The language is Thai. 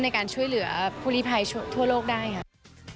ในการช่วยเหลือผู้ลิภัยทั่วโลกได้ค่ะ